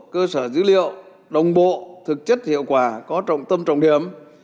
cơ sở dữ liệu đồng bộ thực chất hiệu quả có trọng tâm trọng điểm